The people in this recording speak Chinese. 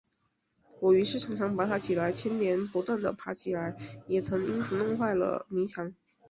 我于是常常拔它起来，牵连不断地拔起来，也曾因此弄坏了泥墙